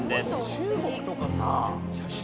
中国とかさ。